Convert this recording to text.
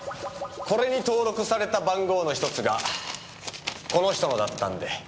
これに登録された番号の１つがこの人のだったんで。